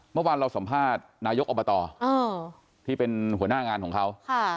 เมื่อวานเราสัมภาษณ์นายกอบตที่เป็นหัวหน้างานของเขา